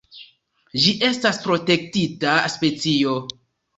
Ĝi estas protektita specio.